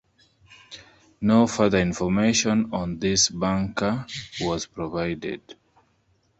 No further information on this bunker was provided.